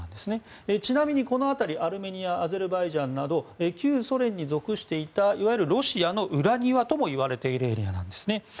ちなみにこの辺りアルメニアアゼルバイジャンなど旧ソ連に属していたいわゆるロシアの裏庭ともいわれているエリアなんですね。